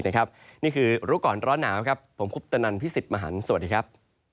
นี่คือรู้ก่อนร้อนหนาวครับผมคุปตนันพี่สิทธิ์มหันฯสวัสดีครับ